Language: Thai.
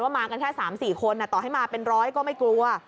มากันแค่๓๔คนต่อให้มาเป็นร้อยก็ไม่กลัว